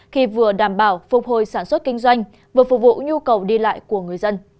khi vừa đảm bảo phục hồi sản xuất kinh doanh vừa phục vụ nhu cầu đi lại của người dân